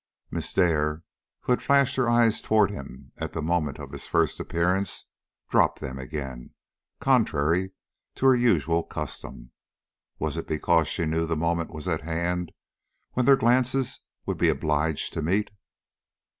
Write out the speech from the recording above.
Miss Dare, who had flashed her eyes toward him at the moment of his first appearance, dropped them again, contrary to her usual custom. Was it because she knew the moment was at hand when their glances would be obliged to meet?